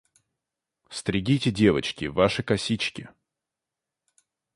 Стригите, девочки, ваши косички.